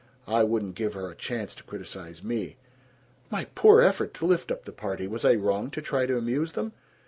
I wouldn't give her a chance to criticize me." "My poor effort to lift up the party! Was I wrong to try to amuse them?"